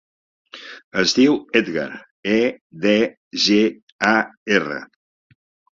Es diu Edgar: e, de, ge, a, erra.